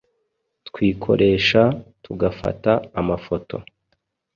twikoresha tugafata amafoto